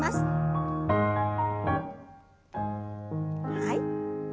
はい。